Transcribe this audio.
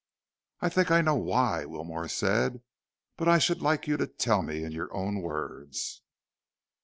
"I think I know why," Wilmore said, "but I should like you to tell me in your own words."